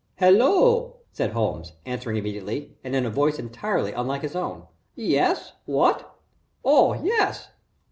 "Hello," said Holmes, answering immediately, and in a voice entirely unlike his own. "Yes what? Oh yes.